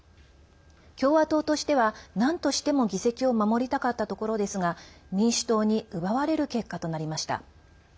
共和党としては、なんとしても議席を守りたかったところですが民主党に奪われる結果となりました。